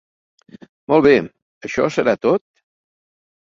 Molt bé, això serà tot?